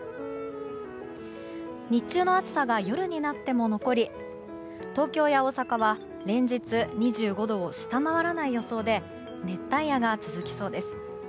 日中の暑さが夜になっても残り東京や大阪は連日２５度を下回らない予想で熱帯夜が続きそうです。